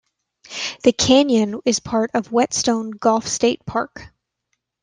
The canyon is part of Whetstone Gulf State Park.